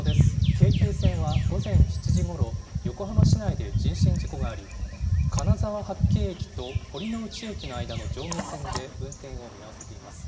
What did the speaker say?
京急線は午前７時ごろ、横浜市内で人身事故があり、金沢八景駅と堀ノ内駅の間の上下線で運転を見合わせています。